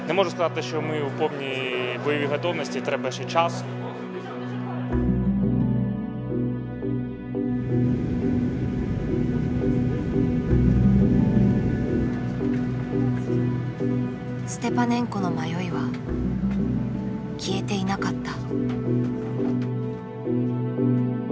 ステパネンコの迷いは消えていなかった。